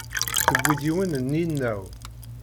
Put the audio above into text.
Tewwi-d yiwen n yinaw.